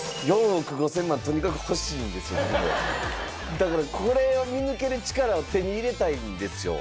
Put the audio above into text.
だからこれを見抜ける力を手に入れたいんですよ。